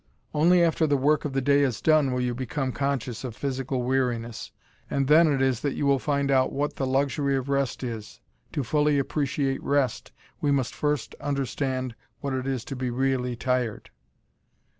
Only after the work of the day is done will you become conscious of physical weariness, and then it is that you find out what the luxury of rest is; to fully appreciate rest we must first understand what it is to be really tired.